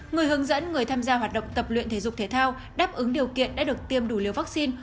người hướng dẫn người tham gia hoạt động tập luyện thể dục thể thao đáp ứng điều kiện đã được tiêm đủ liều vaccine